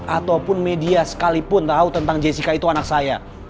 ataupun media sekalipun tahu tentang jessica itu anak saya